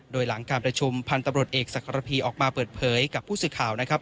โดยหลังการประชุมพันธุ์ตำรวจเอกศักรพีออกมาเปิดเผยกับผู้สื่อข่าวนะครับ